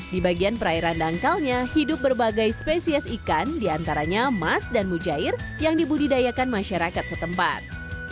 di bagian perairan dangkalnya hidup berbagai spesies ikan diantaranya emas dan mujair yang dibudidayakan masyarakat setempat